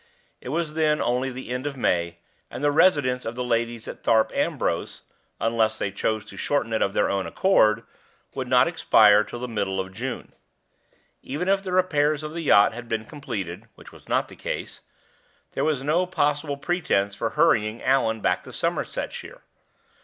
It was then only the end of May, and the residence of the ladies at Thorpe Ambrose (unless they chose to shorten it of their own accord) would not expire till the middle of June. Even if the repairs of the yacht had been completed (which was not the case), there was no possible pretense for hurrying Allan back to Somersetshire.